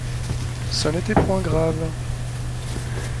Ce n'était point grave.